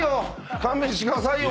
勘弁してくださいよ